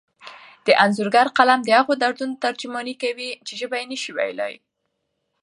د انځورګر قلم د هغو دردونو ترجماني کوي چې ژبه یې نشي ویلی.